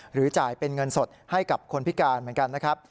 จ่ายเป็นเงินสดให้กับคนพิการเหมือนกันนะครับ